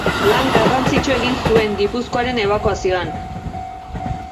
Lan garrantzitsua egin zuen Gipuzkoaren ebakuazioan.